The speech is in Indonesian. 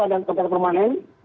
adalah tempat permanen